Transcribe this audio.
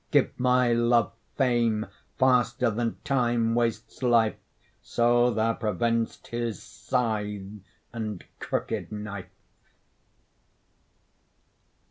Give my love fame faster than Time wastes life, So thou prevent'st his scythe and crooked knife.